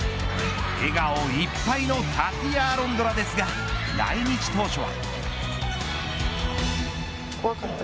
笑顔いっぱいのタピア・アロンドラですが来日当初は。